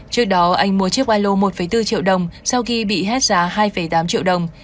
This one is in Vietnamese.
trước đó anh mua chiếc alo một bốn triệu đồng sau khi bị hết giá hai tám triệu đồng